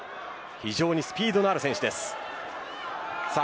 非常にスピードのある選手です。